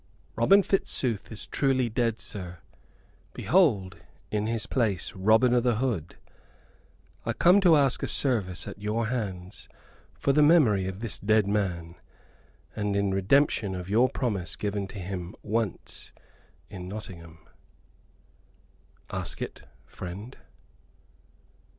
"Robin Fitzooth is truly dead, sir. Behold in his place Robin o' th' Hood. I come to ask a service at your hands for the memory of this dead man, and in redemption of your promise given to him once in Nottingham." "Ask it, friend."